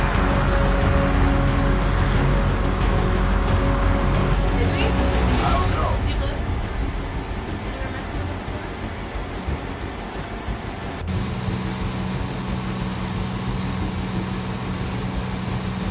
ความรู้สึกเหมือนกับหัวเราะ